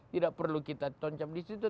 tidak perlu kita tancap di situ